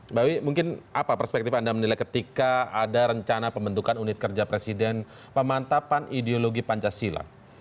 mbak wiwi mungkin apa perspektif anda menilai ketika ada rencana pembentukan unit kerja presiden pemantapan ideologi pancasila